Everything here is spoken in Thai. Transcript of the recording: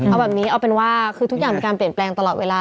เอาแบบนี้เอาเป็นว่าคือทุกอย่างมีการเปลี่ยนแปลงตลอดเวลา